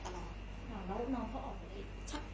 แล้วน้องเขาออกไปได้ไหม